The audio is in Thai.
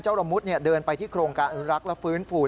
เจ้าลมมุษย์เดินไปที่โครงการรักและฟื้นฝูท